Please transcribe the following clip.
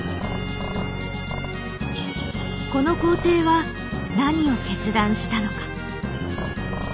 この皇帝は何を決断したのか。